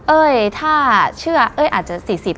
เอ้ยถ้าเชื่อเอ้ยอาจจะ๔๐